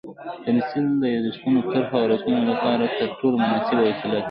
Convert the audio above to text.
پنسل د یادښتونو، طرحو او رسمونو لپاره تر ټولو مناسبه وسیله ده.